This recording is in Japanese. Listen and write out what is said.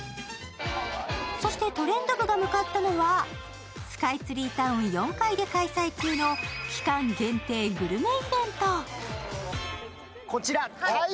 そして、「トレンド部」が向かったのは、スカイツリータウン４階で開催中の期間限定グルメイベント。